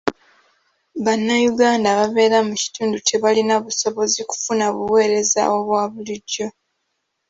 Bannayuganda ababeera mu kitundu tebalina busobozi kufuna buweereza obwa bulijjo.